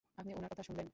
আপনি উনার কথা শুনলেন?